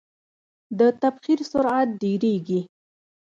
د تبخیر سرعت ډیریږي.